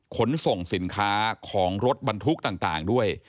ขนส่งสินค้าของรถบรรทุกต่างด้วย